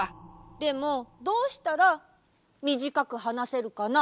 でもどうしたらみじかくはなせるかな？